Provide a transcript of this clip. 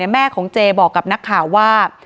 แม่ของเจบอกกับนักข่าวว่า